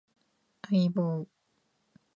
相棒